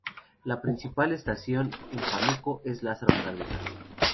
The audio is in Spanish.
La principal estación en Pánuco es "Lázaro Cárdenas".